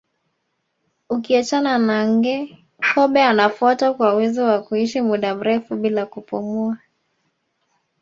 Ukiachana na nge kobe anafuata kwa uwezo wa kuishi muda mrefu bila kupumua